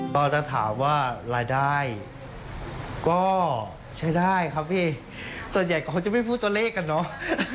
เราจะถามว่ารายได้ก็ใช้ได้ครับพี่ส่วนใหญ่เขาจะไม่พูดตัวเลขกันเนอะ